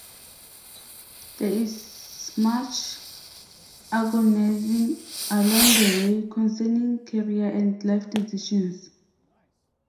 There is much agonizing along the way concerning career and life decisions.